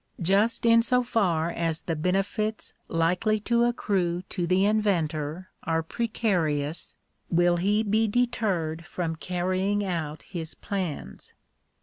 Just in so far as the benefits likely to accrue to the inventor are precarious, will he be deterred from carrying out his plans.